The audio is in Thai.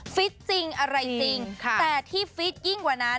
ฟิตจริงอะไรจริงแต่ที่ฟิตยิ่งกว่านั้น